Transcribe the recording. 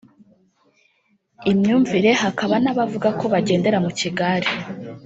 imyumvire hakaba n’abavuga ko bagendera mu kigare